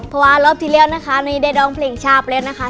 เพราะว่ารอบที่แล้วนะคะนี่ได้ร้องเพลงชาบแล้วนะคะ